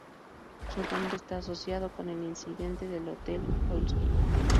Su nombre está asociado con el incidente del Hotel Polski.